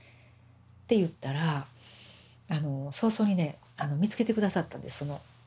って言ったら早々にね見つけて下さったんです。